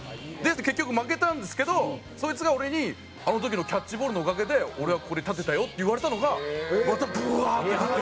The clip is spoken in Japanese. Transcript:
結局負けたんですけどそいつが俺に「あの時のキャッチボールのおかげで俺はここに立てたよ」って言われたのがまたブワーッてなって。